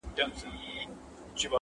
سپینه ورځ یې توره شپه لیده په سترګو!.